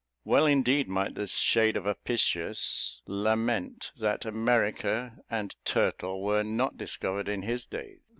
Well, indeed might the shade of Apicius[A] lament that America and turtle were not discovered in his days.